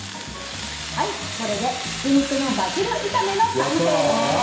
これでひき肉のバジル炒めの完成です！